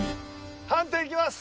判定いきます。